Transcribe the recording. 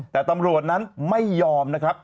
แต่ตำรวจนั้นไม่ยอมนะครับ